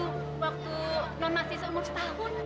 waktu non masih umur setahun